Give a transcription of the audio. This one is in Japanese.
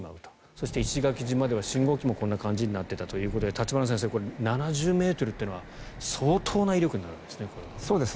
そして、石垣島では信号機もこんな感じになっていたということで立花先生、７０ｍというのは相当な威力になるんですね。